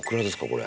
これ。